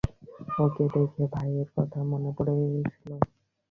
ওকে দেখে, ভাইয়ের কথা খুব মনে পড়ছিল।